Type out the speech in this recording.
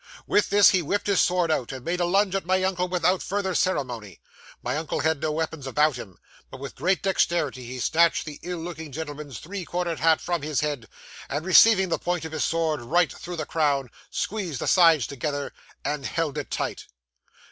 With this, he whipped his sword out, and made a lunge at my uncle without further ceremony. My uncle had no weapon about him, but with great dexterity he snatched the ill looking gentleman's three cornered hat from his head, and, receiving the point of his sword right through the crown, squeezed the sides together, and held it tight.